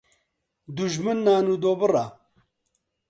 دوژمن نان و دۆ بڕە